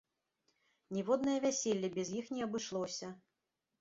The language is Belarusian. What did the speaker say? Ніводнае вяселле без іх не абышлося.